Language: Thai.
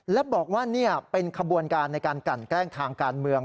และบอกว่านี่เป็นขบวนการในการกลั่นแกล้งทางการเมือง